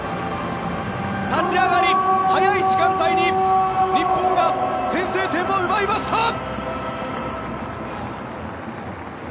立ち上がり、早い時間帯に日本が先制点を奪いました！